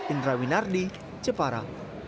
indra winardi jepara